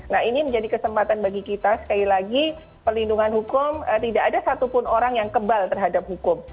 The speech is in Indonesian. nah ini menjadi kesempatan bagi kita sekali lagi pelindungan hukum tidak ada satupun orang yang kebal terhadap hukum